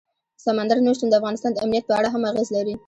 سمندر نه شتون د افغانستان د امنیت په اړه هم اغېز لري.